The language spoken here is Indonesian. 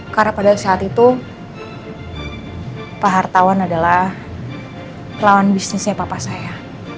karena pada saat itu pak hartawan adalah pelawan bisnisnya papa saya